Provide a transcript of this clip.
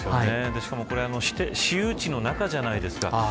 しかも私有地の中じゃないですか。